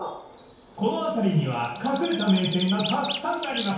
［この辺りには隠れた名店がたくさんあります］